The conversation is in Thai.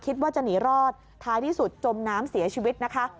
คิดว่าจะหนีรอดท้ายที่สุดจมน้ำเสียชีวิตนะคะ